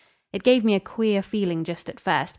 It gave me a queer feeling just at first.